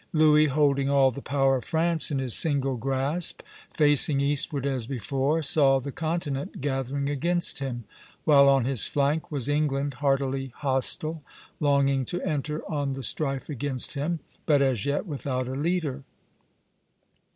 Louis, holding all the power of France in his single grasp, facing eastward as before, saw the continent gathering against him; while on his flank was England heartily hostile, longing to enter on the strife against him, but as yet without a leader.